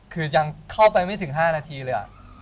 คือยังเข้าไปไม่ถึง๕นาทีเลย